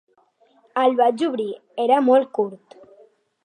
El vaig obrir, era molt curt.